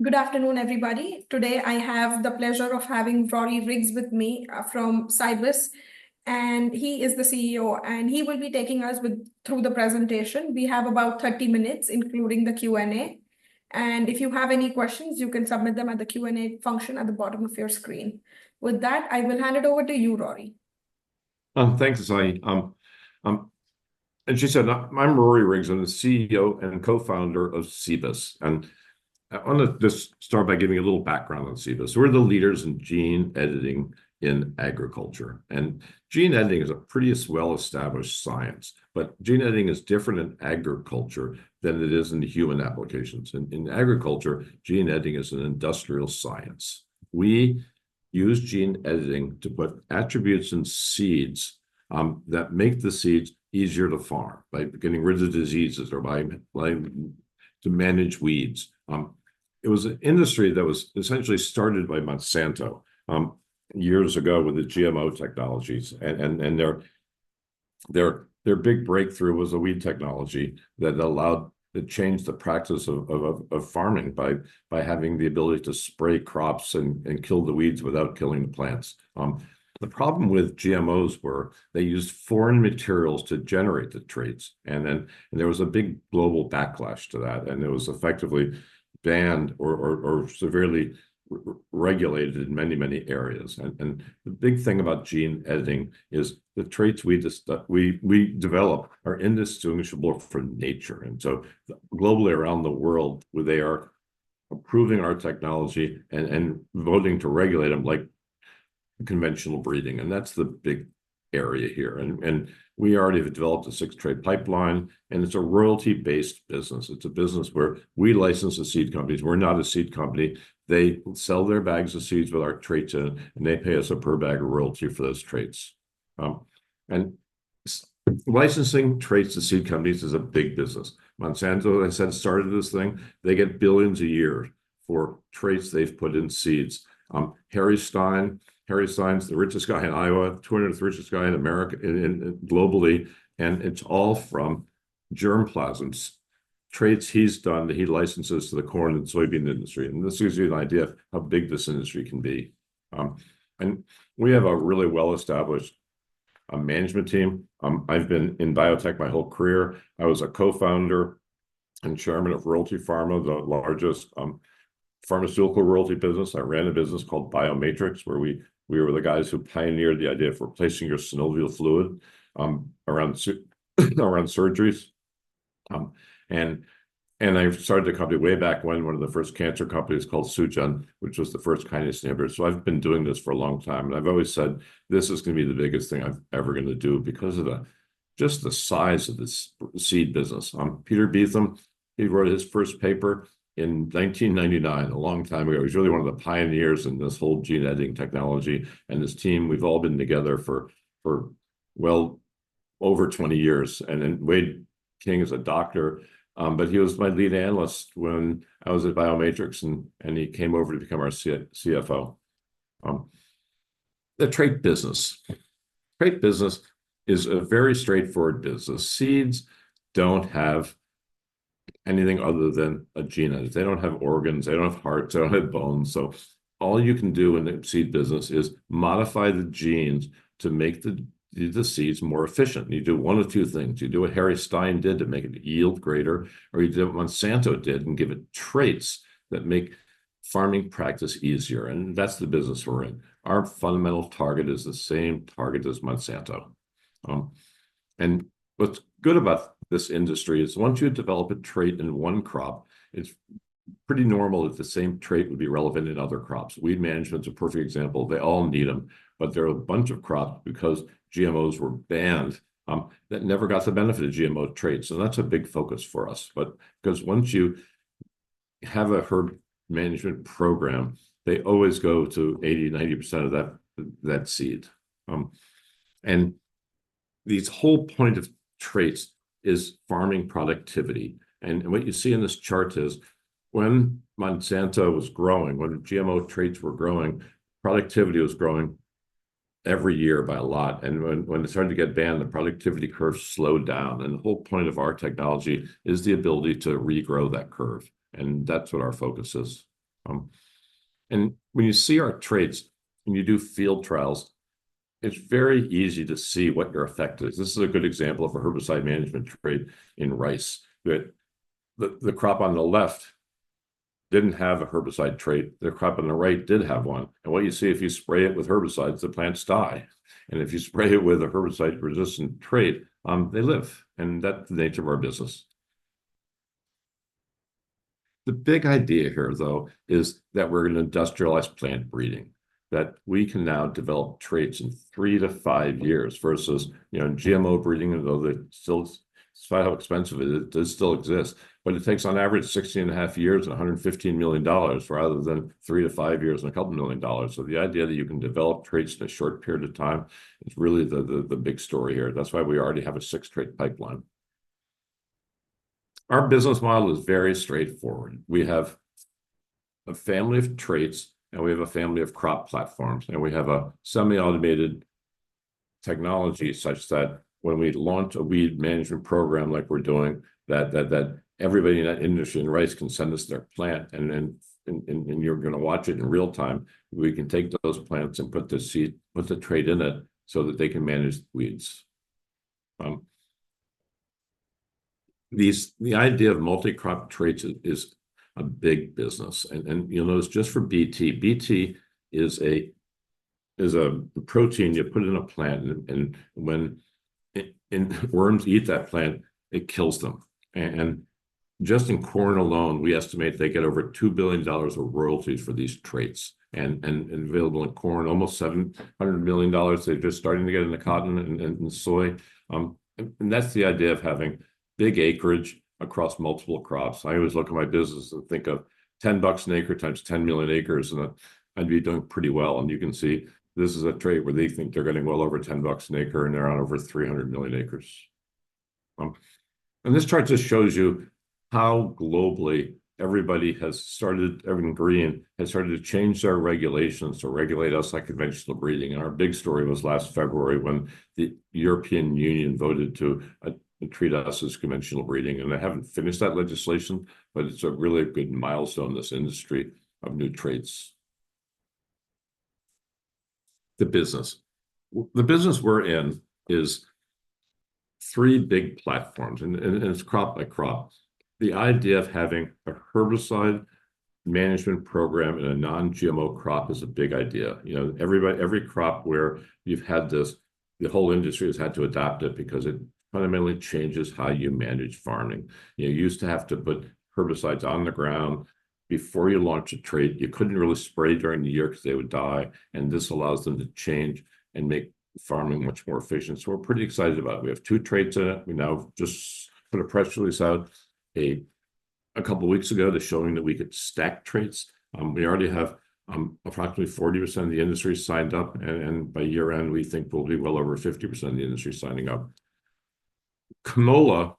Good afternoon, everybody. Today, I have the pleasure of having Rory Riggs with me from Cibus, and he is the CEO, and he will be taking us through the presentation. We have about 30 minutes, including the Q&A, and if you have any questions, you can submit them at the Q&A function at the bottom of your screen. With that, I will hand it over to you, Rory. Thanks, Asani. As she said, I'm Rory Riggs. I'm the CEO and co-founder of Cibus, and I wanna just start by giving a little background on Cibus. We're the leaders in gene editing in agriculture, and gene editing is a pretty well-established science. But gene editing is different in agriculture than it is in the human applications. In agriculture, gene editing is an industrial science. We use gene editing to put attributes in seeds that make the seeds easier to farm, by getting rid of diseases or to manage weeds. It was an industry that was essentially started by Monsanto years ago with the GMO technologies, and their big breakthrough was a weed technology that allowed that changed the practice of farming by having the ability to spray crops and kill the weeds without killing the plants. The problem with GMOs were they used foreign materials to generate the traits, and then there was a big global backlash to that, and it was effectively banned or severely regulated in many areas. The big thing about gene editing is the traits we develop are indistinguishable from nature. So globally, around the world, where they are approving our technology and voting to regulate them like conventional breeding, and that's the big area here. We already have developed a six-trait pipeline, and it's a royalty-based business. It's a business where we license the seed companies. We're not a seed company. They sell their bags of seeds with our traits in, and they pay us a per-bag royalty for those traits. Licensing traits to seed companies is a big business. Monsanto, as I said, started this thing. They get billions a year for traits they've put in seeds. Harry Stine, Harry Stine is the richest guy in Iowa, 23rd richest guy in America, globally, and it's all from germplasm, traits he's done that he licenses to the corn and soybean industry, and this gives you an idea of how big this industry can be. We have a really well-established management team. I've been in biotech my whole career. I was a co-founder and chairman of Royalty Pharma, the largest pharmaceutical royalty business. I ran a business called Biomatrix, where we, we were the guys who pioneered the idea of replacing your synovial fluid around surgeries. And I started a company way back when, one of the first cancer companies called Sugen, which was the first kinase inhibitor. So I've been doing this for a long time, and I've always said, "This is gonna be the biggest thing I've ever gonna do," because of the just the size of this seed business. Peter Beetham, he wrote his first paper in 1999, a long time ago. He's really one of the pioneers in this whole gene-editing technology, and his team, we've all been together for well over 20 years. And then Wade King is a doctor, but he was my lead analyst when I was at Biomatrix and he came over to become our CFO. The trait business is a very straightforward business. Seeds don't have anything other than a gene edit. They don't have organs. They don't have hearts. They don't have bones. So all you can do in the seed business is modify the genes to make the seeds more efficient. You do one of two things. You do what Harry Stine did to make it yield greater, or you do what Monsanto did and give it traits that make farming practice easier, and that's the business we're in. Our fundamental target is the same target as Monsanto. And what's good about this industry is once you develop a trait in one crop, it's pretty normal that the same trait would be relevant in other crops. Weed management's a perfect example. They all need them, but there are a bunch of crops, because GMOs were banned, that never got the benefit of GMO traits, so that's a big focus for us. But 'cause once you have a herb management program, they always go to 80%-90% of that seed. And the whole point of traits is farming productivity, and what you see in this chart is when Monsanto was growing, when GMO traits were growing, productivity was growing every year by a lot, and when it started to get banned, the productivity curve slowed down. The whole point of our technology is the ability to regrow that curve, and that's what our focus is. And when you see our traits, when you do field trials, it's very easy to see what their effect is. This is a good example of a herbicide management trait in rice. The crop on the left didn't have a herbicide trait. The crop on the right did have one, and what you see, if you spray it with herbicides, the plants die. And if you spray it with a herbicide-resistant trait, they live, and that's the nature of our business. The big idea here, though, is that we're gonna industrialize plant breeding, that we can now develop traits in 3-5 years versus, you know, GMO breeding, although that still, despite how expensive it is, it does still exist. But it takes, on average, 16.5 years and $115 million, rather than 3-5 years and $2 million. So the idea that you can develop traits in a short period of time is really the big story here. That's why we already have a 6-trait pipeline. Our business model is very straightforward. We have a family of traits, and we have a family of crop platforms, and we have a semi-automated technology such that when we launch a weed management program like we're doing, everybody in that industry in rice can send us their plant, and then you're gonna watch it in real time. We can take those plants and put the seed, put the trait in it, so that they can manage weeds. The idea of multi-crop traits is a big business, and, you know, it's just for Bt. Bt is a protein. You put it in a plant, and when worms eat that plant, it kills them. Just in corn alone, we estimate they get over $2 billion of royalties for these traits. And available in corn, almost $700 million. They're just starting to get into cotton and soy. That's the idea of having big acreage across multiple crops. I always look at my business and think of $10 an acre times 10 million acres, and I'd be doing pretty well. You can see this is a trait where they think they're getting well over $10 an acre, and they're on over 300 million acres. And this chart just shows you how globally everybody has started, everyone agreeing, has started to change their regulations to regulate us like conventional breeding. And our big story was last February when the European Union voted to treat us as conventional breeding, and they haven't finished that legislation, but it's really a big milestone in this industry of new traits. The business we're in is three big platforms, and it's crop by crop. The idea of having a herbicide management program in a non-GMO crop is a big idea. You know, every crop where you've had this, the whole industry has had to adopt it because it fundamentally changes how you manage farming. You used to have to put herbicides on the ground before you launch a trait. You couldn't really spray during the year 'cause they would die, and this allows them to change and make farming much more efficient. So we're pretty excited about it. We have two traits in it. We now just put a press release out a couple of weeks ago, just showing that we could stack traits. We already have approximately 40% of the industry signed up, and by year-end, we think we'll be well over 50% of the industry signing up. Canola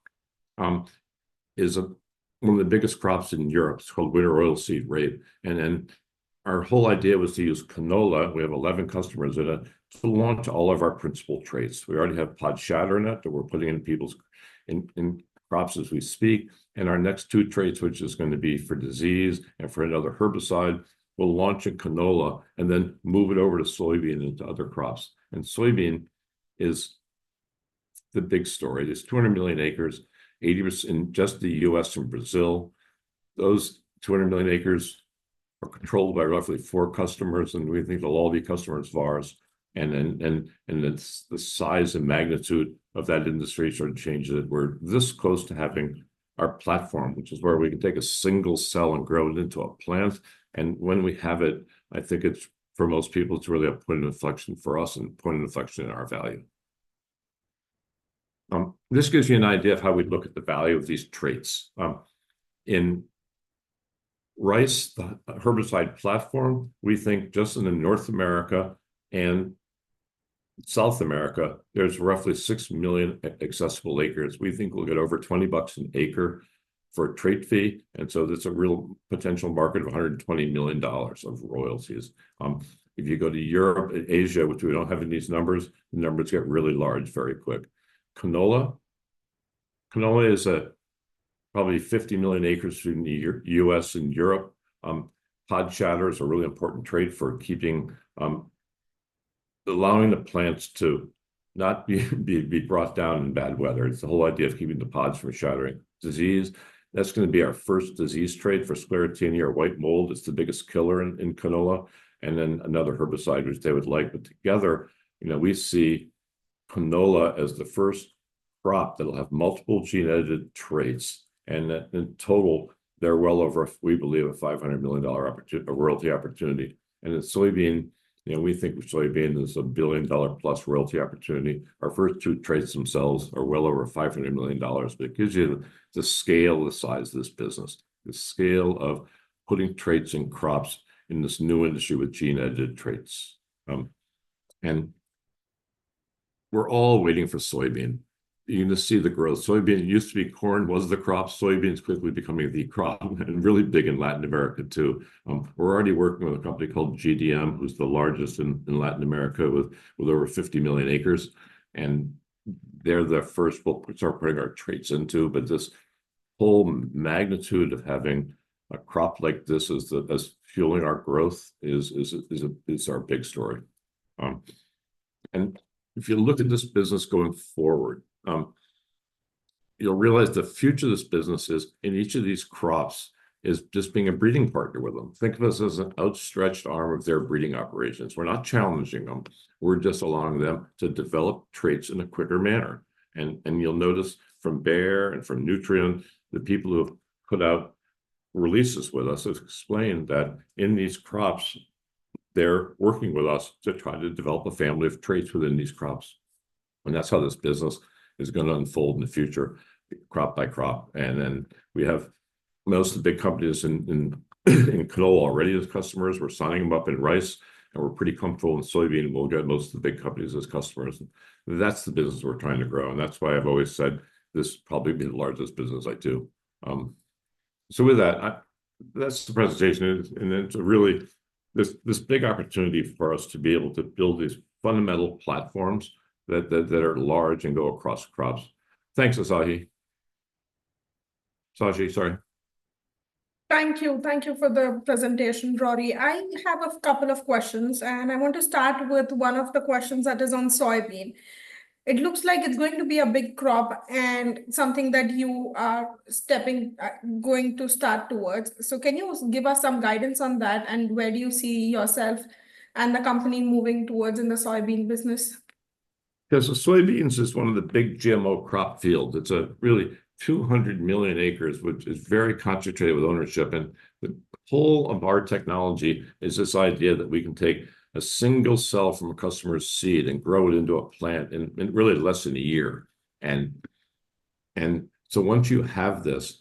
is one of the biggest crops in Europe. It's called winter oilseed rape, and then our whole idea was to use canola, we have 11 customers in it, to launch all of our principal traits. We already have pod shatter in it, that we're putting in people's crops as we speak, and our next two traits, which is gonna be for disease and for another herbicide, we'll launch in canola and then move it over to soybean and to other crops. Soybean is the big story. There's 200 million acres, 80% in just the U.S. and Brazil. Those 200 million acres are controlled by roughly four customers, and we think they'll all be customers of ours. And then it's the size and magnitude of that industry starting to change, that we're this close to having our platform, which is where we can take a single cell and grow it into a plant. When we have it, I think it's, for most people, it's really a point of inflection for us and a point of inflection in our value. This gives you an idea of how we'd look at the value of these traits. In rice, the herbicide platform, we think just in North America and South America, there's roughly 6 million accessible acres. We think we'll get over $20 an acre for a trait fee, and so there's a real potential market of $120 million of royalties. If you go to Europe and Asia, which we don't have in these numbers, the numbers get really large very quick. Canola. Canola is probably 50 million acres between the U.S. and Europe. Pod shatter is a really important trait for keeping, allowing the plants to not be brought down in bad weather. It's the whole idea of keeping the pods from shattering. Disease, that's gonna be our first disease trait for sclerotinia or white mold. It's the biggest killer in canola, and then another herbicide, which they would like. But together, you know, we see canola as the first crop that'll have multiple gene-edited traits, and that in total, they're well over, we believe, a $500 million royalty opportunity. And in soybean, you know, we think soybean is a $1 billion-plus royalty opportunity. Our first two traits themselves are well over $500 million, but it gives you the scale, the size of this business, the scale of putting traits in crops in this new industry with gene-edited traits. And we're all waiting for soybean. You're gonna see the growth. Soybean, it used to be corn was the crop. Soybean's quickly becoming the crop, and really big in Latin America, too. We're already working with a company called GDM, who's the largest in Latin America, with over 50 million acres, and they're the first we'll start putting our traits into. But this whole magnitude of having a crop like this as fueling our growth is our big story. And if you look at this business going forward, you'll realize the future of this business is, in each of these crops, is just being a breeding partner with them. Think of us as an outstretched arm of their breeding operations. We're not challenging them. We're just allowing them to develop traits in a quicker manner. And you'll notice from Bayer and from Nutrien, the people who have put out releases with us, have explained that in these crops, they're working with us to try to develop a family of traits within these crops, and that's how this business is gonna unfold in the future, crop by crop. And then we have most of the big companies in canola already as customers. We're signing them up in rice, and we're pretty comfortable in soybean, and we'll get most of the big companies as customers. That's the business we're trying to grow, and that's why I've always said this will probably be the largest business I do. So with that, that's the presentation, and it's a really this big opportunity for us to be able to build these fundamental platforms that are large and go across crops. Thanks, Asahi. Sashi, sorry. Thank you. Thank you for the presentation, Rory. I have a couple of questions, and I want to start with one of the questions that is on soybean. It looks like it's going to be a big crop, and something that you are stepping, going to start towards. So can you give us some guidance on that, and where do you see yourself and the company moving towards in the soybean business? Yeah, so soybeans is one of the big GMO crop fields. It's a really 200 million acres, which is very concentrated with ownership, and the whole of our technology is this idea that we can take a single cell from a customer's seed and grow it into a plant in really less than a year. And so once you have this,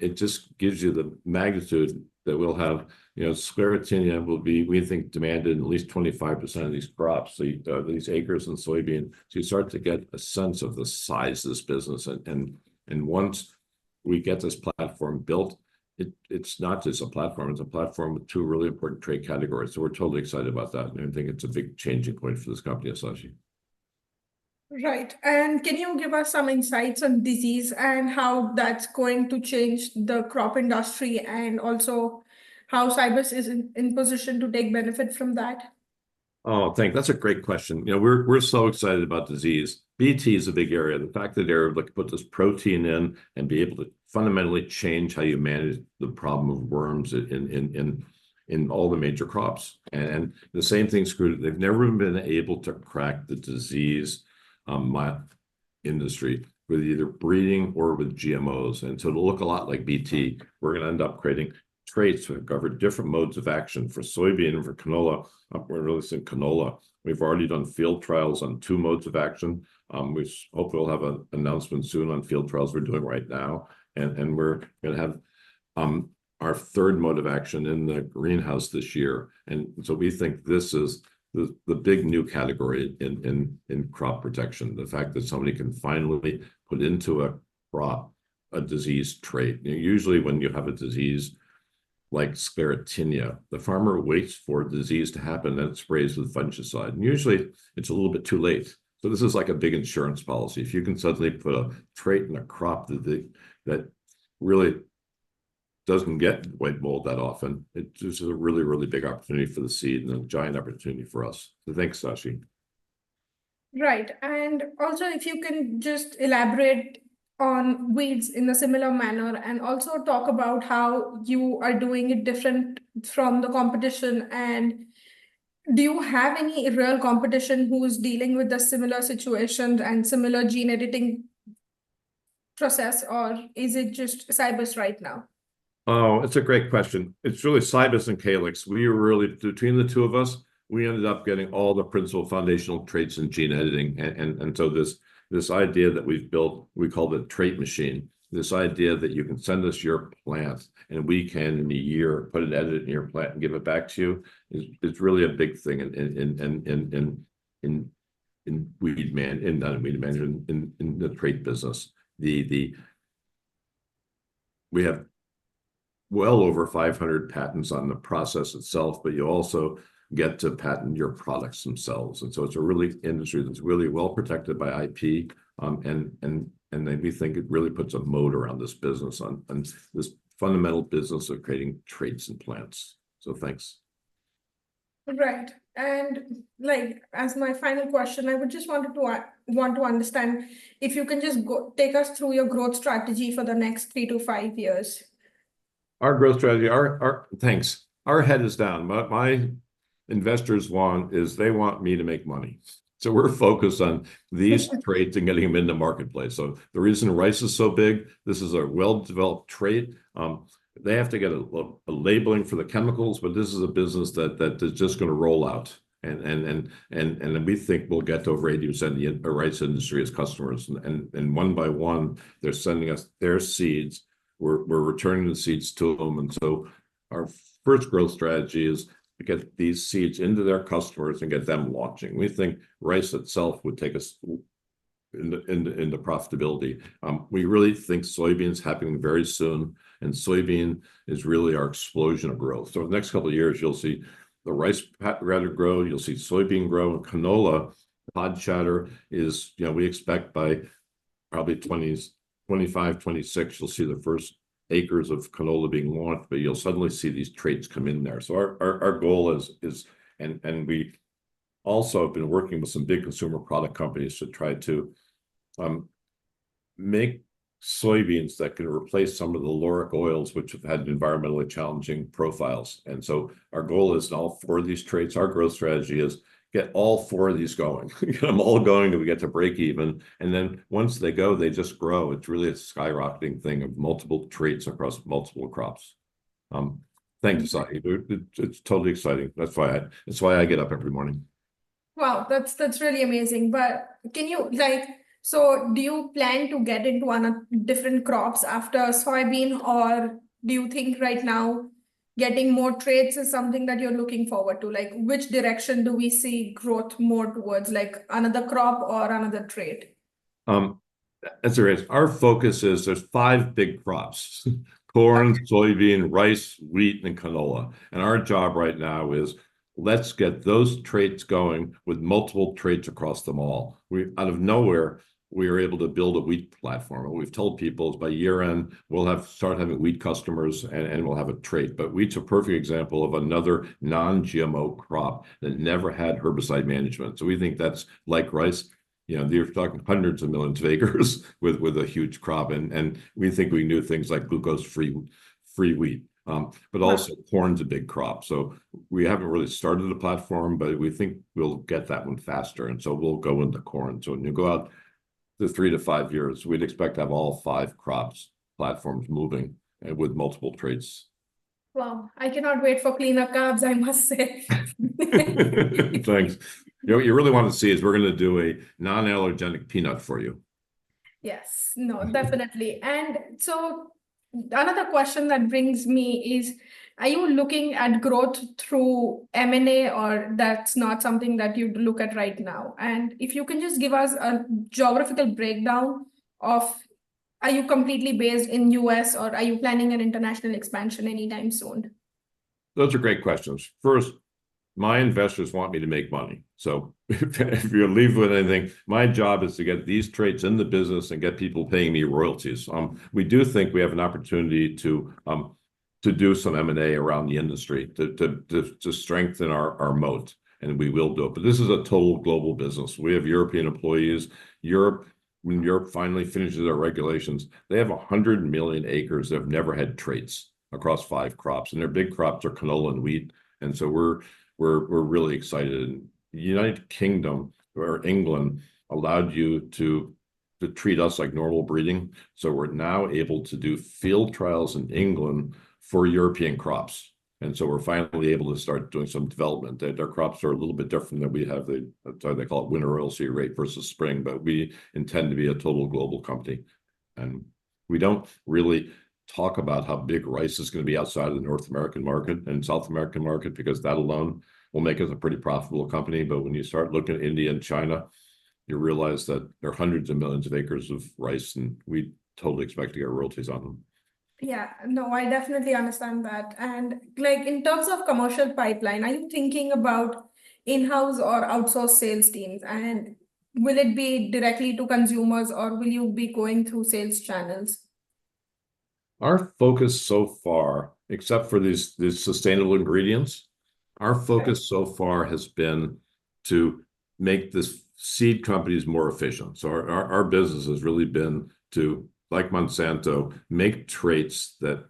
it just gives you the magnitude that we'll have, you know, sclerotinia will be, we think, demanded in at least 25% of these crops, the these acres in soybean. So you start to get a sense of the size of this business, and once we get this platform built, it's not just a platform, it's a platform with two really important trait categories, so we're totally excited about that, and I think it's a big changing point for this company, Sashi. Right, and can you give us some insights on disease and how that's going to change the crop industry, and also how Cibus is in position to take benefit from that? Oh, thank you. That's a great question. You know, we're so excited about disease. BT is a big area. The fact that they're able to put this protein in and be able to fundamentally change how you manage the problem of worms in all the major crops, and the same thing Sclerotinia. They've never been able to crack the disease, mold industry with either breeding or with GMOs, and so it'll look a lot like BT. We're gonna end up creating traits that cover different modes of action for soybean and for canola. We're really seeing canola. We've already done field trials on two modes of action, which hopefully we'll have an announcement soon on field trials we're doing right now, and we're gonna have our third mode of action in the greenhouse this year. And so we think this is the big new category in crop protection, the fact that somebody can finally put into a crop a disease trait. And usually when you have a disease like Sclerotinia, the farmer waits for a disease to happen, then sprays the fungicide, and usually it's a little bit too late. So this is like a big insurance policy. If you can suddenly put a trait in a crop that really doesn't get white mold that often, this is a really, really big opportunity for the seed and a giant opportunity for us. So thanks, Sashi. Right, and also if you can just elaborate on weeds in a similar manner, and also talk about how you are doing it different from the competition. Do you have any real competition who's dealing with a similar situation and similar gene editing process, or is it just Cibus right now? Oh, it's a great question. It's really Cibus and Calyxt. We are really, between the two of us, we ended up getting all the principal foundational traits in gene editing. And so this idea that we've built, we call the Trait Machine, this idea that you can send us your plant, and we can, in a year, put an edit in your plant and give it back to you, is really a big thing in the trait business. We have well over 500 patents on the process itself, but you also get to patent your products themselves, and so it's a really industry that's really well protected by IP. We think it really puts a moat around this business and this fundamental business of creating traits in plants. So, thanks. Correct. And like, as my final question, I would just wanted to, want to understand if you can just take us through your growth strategy for the next 3-5 years. Our growth strategy. Thanks. Our head is down. My investors want is they want me to make money. So we're focused on these traits and getting them in the marketplace. So the reason rice is so big, this is a well-developed trait. They have to get a labeling for the chemicals, but this is a business that is just gonna roll out. And then we think we'll get to over 80% of the rice industry as customers, and one by one, they're sending us their seeds. We're returning the seeds to them, and so our first growth strategy is to get these seeds into their customers and get them launching. We think rice itself would take us into profitability. We really think soybeans happening very soon, and soybean is really our explosion of growth. So the next couple of years, you'll see the rice rather grow, you'll see soybean grow, and canola, pod shatter is, you know, we expect by probably 2020, 2025, 2026, you'll see the first acres of canola being launched, but you'll suddenly see these traits come in there. So our goal is... And we've also been working with some big consumer product companies to try to make soybeans that can replace some of the lauric oils, which have had environmentally challenging profiles. And so our goal is all four of these traits, our growth strategy is get all four of these going. Get them all going, and we get to breakeven, and then once they go, they just grow. It's really a skyrocketing thing of multiple traits across multiple crops. Thank you, Sashi. It's totally exciting. That's why I get up every morning. Wow, that's, that's really amazing. But can you, like... So do you plan to get into one of different crops after soybean, or do you think right now getting more traits is something that you're looking forward to? Like, which direction do we see growth more towards, like another crop or another trait?... as there is, our focus is, there's five big crops: corn, soybean, rice, wheat, and canola. And our job right now is let's get those traits going with multiple traits across them all. We out of nowhere, we were able to build a wheat platform, and we've told people by year-end, we'll have, start having wheat customers, and we'll have a trait. But wheat's a perfect example of another non-GMO crop that never had herbicide management, so we think that's like rice. You know, you're talking hundreds of millions of acres with a huge crop, and we think we knew things like glucose-free wheat. But also- Right... corn's a big crop. So we haven't really started a platform, but we think we'll get that one faster, and so we'll go into corn. So when you go out the 3-5 years, we'd expect to have all 5 crops platforms moving and with multiple traits. Well, I cannot wait for cleaner carbs, I must say. Thanks. You know, what you really want to see is we're gonna do a non-allergenic peanut for you. Yes. No, definitely. Mm-hmm. Another question that brings me is, are you looking at growth through M&A, or that's not something that you'd look at right now? And if you can just give us a geographical breakdown of are you completely based in U.S., or are you planning an international expansion anytime soon? Those are great questions. First, my investors want me to make money, so if you leave with anything, my job is to get these traits in the business and get people paying me royalties. We do think we have an opportunity to do some M&A around the industry to strengthen our moat, and we will do it, but this is a total global business. We have European employees. Europe, when Europe finally finishes their regulations, they have 100 million acres that have never had traits across five crops, and their big crops are canola and wheat, and so we're really excited. United Kingdom or England allowed you to treat us like normal breeding, so we're now able to do field trials in England for European crops, and so we're finally able to start doing some development. Their crops are a little bit different than we have. They call it winter oilseed rape versus spring, but we intend to be a total global company. And we don't really talk about how big rice is gonna be outside of the North American market and South American market because that alone will make us a pretty profitable company. But when you start looking at India and China, you realize that there are hundreds of millions of acres of rice, and we totally expect to get royalties on them. Yeah. No, I definitely understand that. And, like, in terms of commercial pipeline, are you thinking about in-house or outsourced sales teams, and will it be directly to consumers, or will you be going through sales channels? Our focus so far, except for these, these sustainable ingredients- Right... our focus so far has been to make the seed companies more efficient. So our business has really been to, like Monsanto, make traits that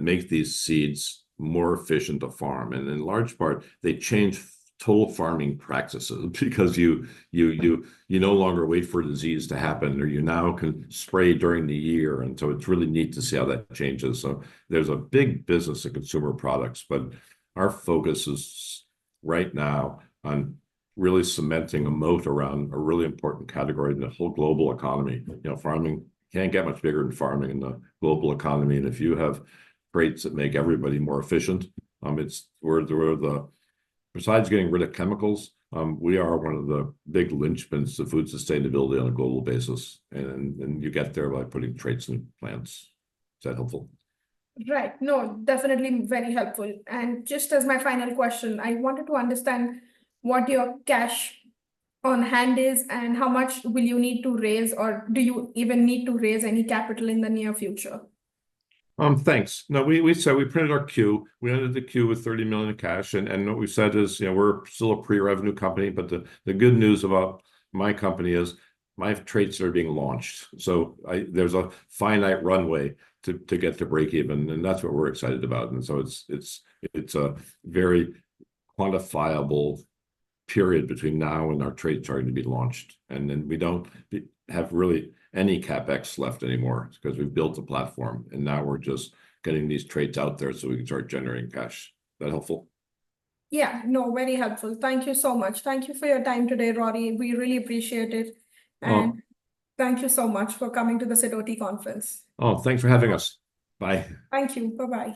make these seeds more efficient to farm. And in large part, they change total farming practices because you no longer wait for disease to happen, or you now can spray during the year, and so it's really neat to see how that changes. So there's a big business in consumer products, but our focus is right now on really cementing a moat around a really important category in the whole global economy. You know, farming can't get much bigger than farming in the global economy, and if you have traits that make everybody more efficient, it's... Besides getting rid of chemicals, we are one of the big linchpins of food sustainability on a global basis, and you get there by putting traits in plants. Is that helpful? Right. No, definitely very helpful. And just as my final question, I wanted to understand what your cash on hand is and how much will you need to raise, or do you even need to raise any capital in the near future? Thanks. No, we said we printed our Q. We ended the Q with $30 million in cash, and what we said is, you know, we're still a pre-revenue company, but the good news about my company is my traits are being launched. So there's a finite runway to get to breakeven, and that's what we're excited about, and so it's a very quantifiable period between now and our traits starting to be launched. And then we don't have really any CapEx left anymore because we've built a platform, and now we're just getting these traits out there so we can start generating cash. Is that helpful? Yeah. No, very helpful. Thank you so much. Thank you for your time today, Rory. We really appreciate it. Well- Thank you so much for coming to the Sidoti conference. Oh, thanks for having us. Bye. Thank you. Bye-bye.